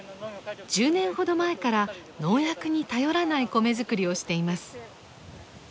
１０年ほど前から農薬に頼らない米作りをしています。